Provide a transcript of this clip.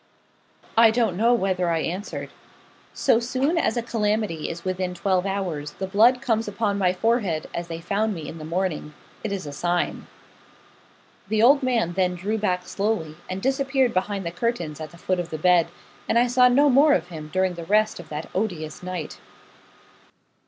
I don't know whether I answered. 'So soon as a calamity is within twelve hours, the blood comes upon my forehead, as they found me in the morning it is a sign.' The old man then drew back slowly, and disappeared behind the curtains at the foot of the bed, and I saw no more of him during the rest of that odious night.